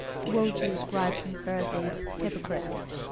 } 023:015 Woe to you, scribes and Pharisees, hypocrites!